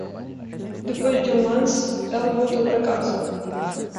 Depois de um lance, ela voltou para casa.